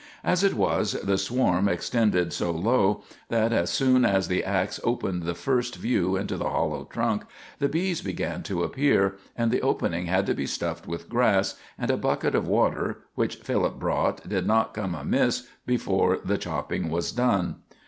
As it was, the swarm extended so low that, as soon as the ax opened the first view into the hollow trunk, the bees began to appear, and the opening had to be stuffed with grass, and a bucket of water which Philip brought did not come amiss before the chopping was done.